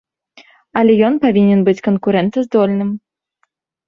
Але ён павінен быць канкурэнтаздольным.